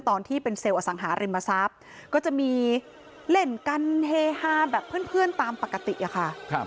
ตอนที่เป็นเซลล์อสังหาริมทรัพย์ก็จะมีเล่นกันเฮฮาแบบเพื่อนตามปกติอะค่ะ